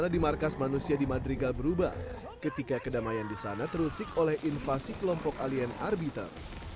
dan madrigal berubah ketika kedamaian di sana terusik oleh invasi kelompok alien arbiter